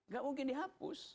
gak mungkin dihapus